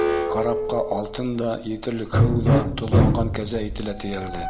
Карапҡа алтын да, етерлек һыу ҙа, тоҙланған кәзә ите лә тейәлде.